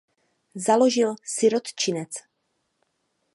Založil sirotčinec.